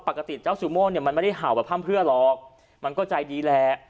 ปกติเจ้าซูโม่เนี่ยมันไม่ได้เห่าแบบพร่ำเพื่อหรอกมันก็ใจดีแหละ